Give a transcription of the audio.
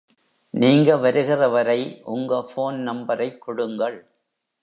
நீங்க வருகிறவரை உங்க போன் நம்பரையும் கொடுங்கள்.